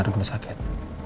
di rumah sakit